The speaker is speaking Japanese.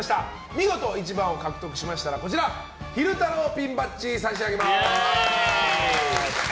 見事、１番を獲得しましたら昼太郎ピンバッジを差し上げます。